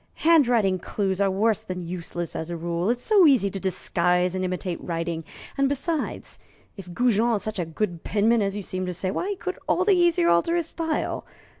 "handwriting clues are worse than useless, as a rule. It's so easy to disguise and imitate writing; and besides, if Goujon is such a good penman as you seem to say, why, he could all the easier alter his style.